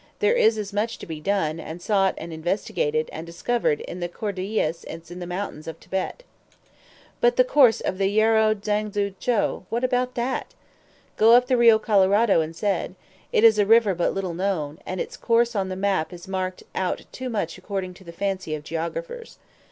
There is as much to be done, and sought, and investigated, and discovered in the Cordilleras as in the mountains of Thibet." "But the course of the Yarou Dzangbo Tchou what about that?" "Go up the Rio Colorado instead. It is a river but little known, and its course on the map is marked out too much according to the fancy of geographers."